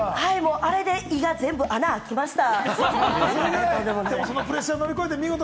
あれで実は胃が全部穴開きました。